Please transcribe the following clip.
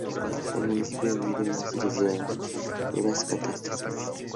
El municipio, ha vivido una serie de duras catástrofes.